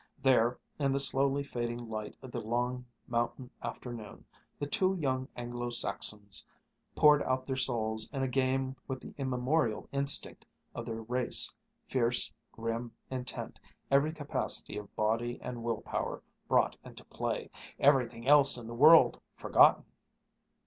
There, in the slowly fading light of the long mountain afternoon, the two young Anglo Saxons poured out their souls in a game with the immemorial instinct of their race, fierce, grim, intent, every capacity of body and will power brought into play, everything else in the world forgotten....